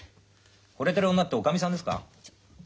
ほれてる女っておかみさんですか？